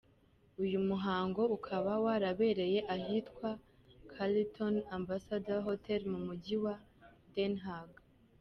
uyu muhango ukaba warabereye ahitwa "Carlton Ambassador Hotel” mu Mujyi wa Den Haag.